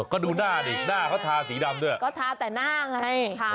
ก็ดูหน้าดิหน้าเขาทาสีดำด้วยก็ทาแต่หน้าไง